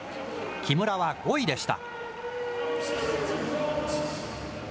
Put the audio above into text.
木村は５位でした。